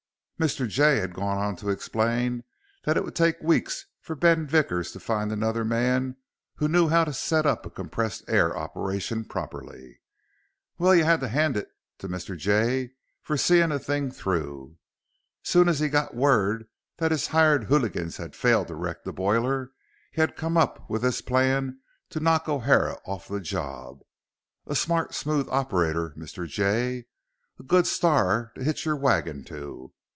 Mr. Jay had gone on to explain that it would take weeks for Ben Vickers to find another man who knew how to set up a compressed air operation properly. Well, you had to hand it to Mr. Jay for seeing a thing through. Soon as he got word that his hired hooligans had failed to wreck the boiler, he had come up with this plan to knock O'Hara off the job. A smart, smooth operator, Mr. Jay. A good star to hitch your wagon to.